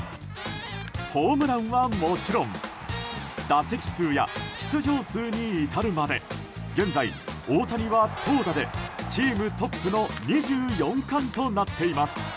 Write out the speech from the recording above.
ホームランはもちろん打席数や出場数に至るまで現在、大谷は投打でチームトップの２４冠となっています。